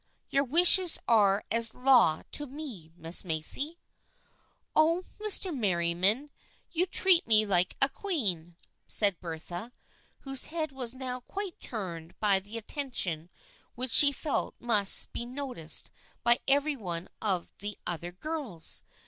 Your wishes are as law to me, Miss Macy." " Oh, Mr. Merriam ! You treat me like a queen," said Bertha, whose head was now quite turned by the attention which she felt must be noticed by every one of the other girls.